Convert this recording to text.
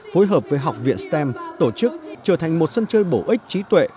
phối hợp với học viện stem tổ chức trở thành một sân chơi bổ ích trí tuệ